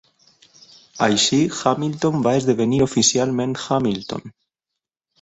Així, Hamilton va esdevenir oficialment Hamilton!